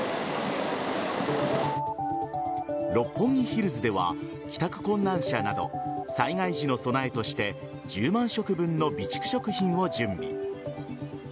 六本木ヒルズでは帰宅困難者など災害時の備えとして１０万食分の備蓄食品を準備。